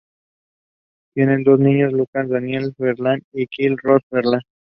Tienen dos niños, Lucas Daniel Bernal y Kylie Rose Bernal.